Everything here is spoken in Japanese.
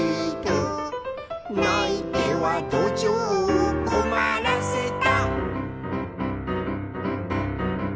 「ないてはどじょうをこまらせた」